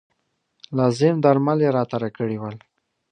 لازم درمل یې راته راکړي ول.